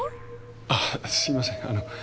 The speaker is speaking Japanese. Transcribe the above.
あすいません。